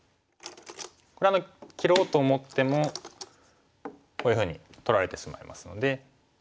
これは切ろうと思ってもこういうふうに取られてしまいますので。